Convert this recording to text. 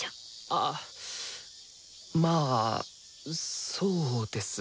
あまあそうですね。